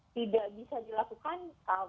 tidak bisa dilakukan